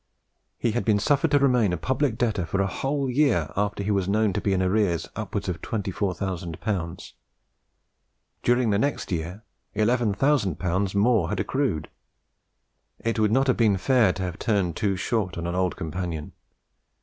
He had been suffered to remain a public debtor for a whole year after he was known to be in arrears upwards of 24,000L. During next year 11,000L. more had accrued. It would not have been fair to have turned too short on an old companion.